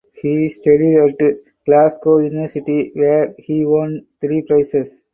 He studied at Glasgow University where he won three prizes.